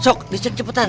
sok dicek cepetan